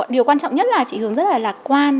điều quan trọng nhất là chị hướng rất là lạc quan